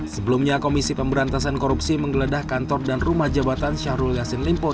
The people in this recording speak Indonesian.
sebelumnya komisi pemberantasan korupsi menggeledah kantor dan rumah jabatan syahrul yassin limpo